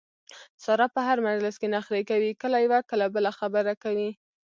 ساره په هر مجلس کې نخرې کوي کله یوه کله بله خبره کوي.